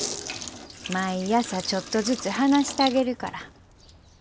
毎朝ちょっとずつ話したげるから。